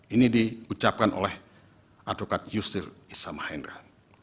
ini diucapkan oleh advokat yusril issam mahendra